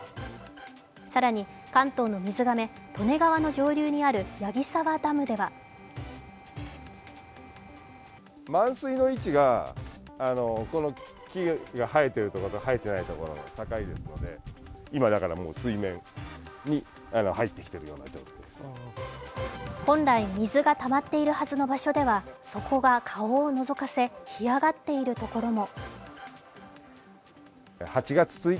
更に、関東の水がめ・利根川の上流にある矢木沢ダムでは本来、水がたまっているはずの場所では底が顔をのぞかせ、干上がっているところも。